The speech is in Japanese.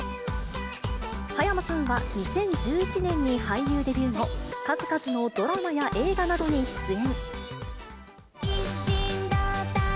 葉山さんは２０１１年に俳優デビュー後、数々のドラマや映画などに出演。